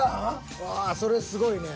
わあそれすごいね。